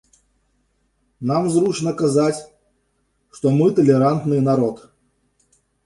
Нам зручна казаць, што мы талерантны народ.